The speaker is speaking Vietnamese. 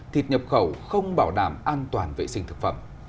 thịt nhập khẩu không bảo đảm an toàn vệ sinh thực phẩm